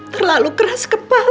terlalu keras kepala